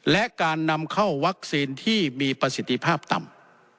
และการนำเข้าวัคซีนที่มีประสิทธิภาพต่ำ